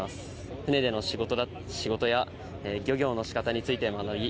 船での仕事や漁業の仕方について学び